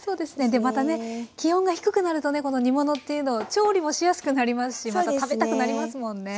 でまたね気温が低くなるとねこの煮物っていうのを調理もしやすくなりますしまた食べたくなりますもんね。